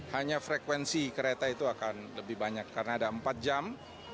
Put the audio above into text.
hanya frekuensi kereta itu akan lebih banyak karena ada empat jam